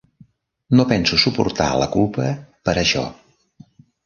No penso suportar la culpa per això.